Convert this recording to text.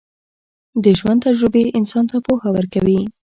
د ژوند تجربې انسان ته پوهه ورکوي.